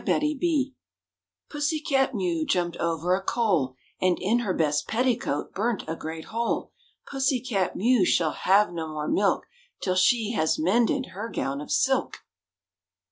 PUSSY CAT MEW Pussy cat Mew jumped over a coal, And in her best petticoat burnt a great hole. Pussy cat Mew shall have no more milk Till she has mended her gown of silk.